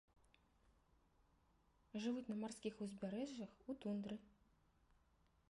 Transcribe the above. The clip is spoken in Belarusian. Жывуць на марскіх узбярэжжах, у тундры.